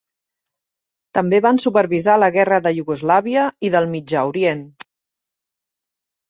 També van supervisar la guerra de Iugoslàvia i del Mitjà Orient.